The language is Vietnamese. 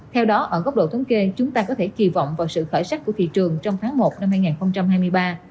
theo đó ở góc độ thống kê chúng ta có thể kỳ vọng vào sự khởi sắc của thị trường trong tháng một năm hai nghìn hai mươi ba